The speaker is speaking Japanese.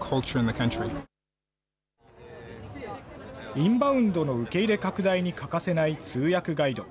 インバウンドの受け入れ拡大に欠かせない通訳ガイド。